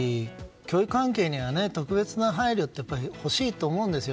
教育関係には特別な配慮は欲しいと思います。